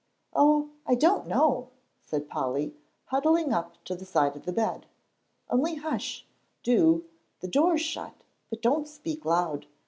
"Oh, I don't know," said Polly, huddling up to the side of the bed, "only hush, do, the door's shut, but don't speak loud.